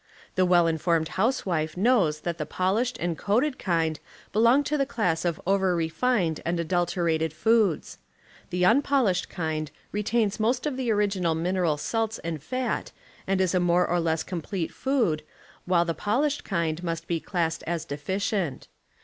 The well informed housewife knows that the polished and coated kind belong to the class of over refined and adulterated foods. The impolished kind retains most of the original mineral salts and fat and is a more or less com plete food, while the polished kind must be classed as deficient.